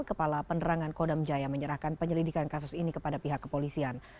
kepala penerangan kodam jaya menyerahkan penyelidikan kasus ini kepada pihak kepolisian